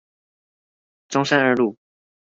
中山二路